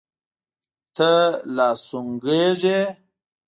ته لا سونګه ږې.